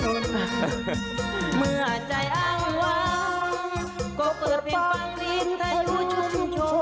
เมื่อใจอ้างว้างก็เปิดเพลงฟังดีใต้ดูชุดชุด